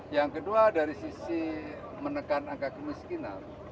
yang kedua dari sisi menekan angka kemiskinan